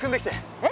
えっ？